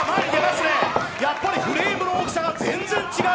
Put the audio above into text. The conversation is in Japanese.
やっぱりフレームの大きさが全然違う。